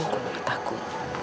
aku gak takut